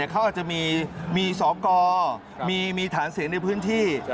เขาอาจจะมีสอกรมีฐานเสียงในพื้นที่